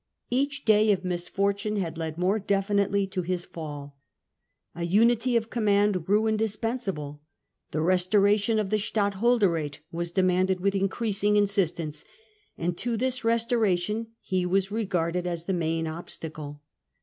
Each day of misfortune had led more definitely to his fall. As unity of command grew indispensable, the restoration of the Stadtholderate was MM. P 210 Invasion of the United Provinces. 1672. demanded with increasing insistance, and to this re storation he was regarded as th^ main obstacle.